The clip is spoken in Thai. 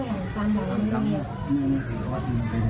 อาหารอาหาร